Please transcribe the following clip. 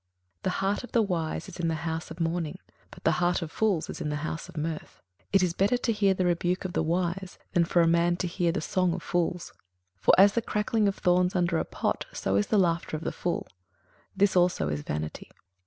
21:007:004 The heart of the wise is in the house of mourning; but the heart of fools is in the house of mirth. 21:007:005 It is better to hear the rebuke of the wise, than for a man to hear the song of fools. 21:007:006 For as the crackling of thorns under a pot, so is the laughter of the fool: this also is vanity.